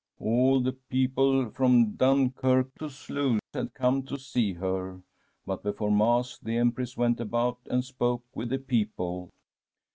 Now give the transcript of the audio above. All the peo ple from Dunkirk to Sluis had come to see her. But before Mass the Empress went about and spoke with the people.